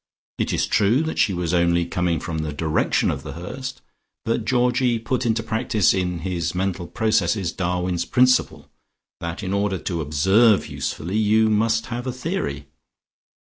It is true that she was only coming from the direction of The Hurst, but Georgie put into practice, in his mental processes Darwin's principle, that in order to observe usefully, you must have a theory.